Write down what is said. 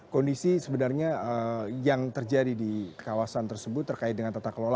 kondisi sebenarnya yang terjadi di kawasan tersebut terkait dengan tata kelola